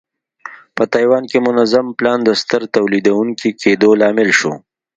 په تایوان کې منظم پلان د ستر تولیدوونکي کېدو لامل شو.